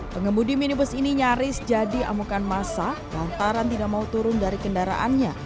pengemudi minibus ini nyaris jadi amukan masa lantaran tidak mau turun dari kendaraannya